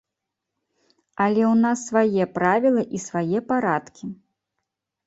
Але ў нас свае правілы і свае парадкі.